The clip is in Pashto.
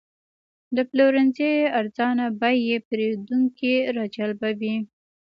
د پلورنځي ارزانه بیې پیرودونکي راجلبوي.